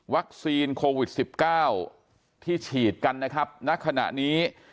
โควิด๑๙ที่ฉีดกันนะครับณขณะนี้